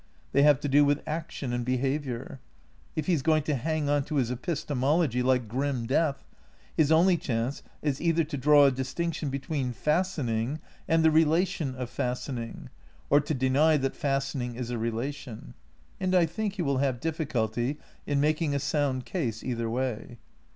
They have to do with action and behaviour. If he is going to hang on to his epistemology like grim death, his only chance is either to draw a distinction between fastening and the relation of fastening, or to deny that fastening is a relation. And I think he will have difficulty in mak ing a sound case either way.